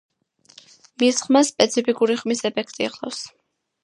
მის ხმას სპეციფიკური ხმის ეფექტი ახლავს.